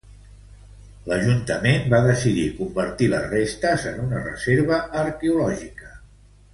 L'Ajuntament va decidir convertir les restes en una reserva arqueològica.